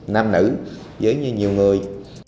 nam nữ với nhiều người